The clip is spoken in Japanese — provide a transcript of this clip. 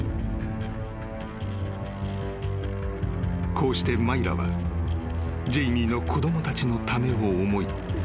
［こうしてマイラはジェイミーの子供たちのためを思い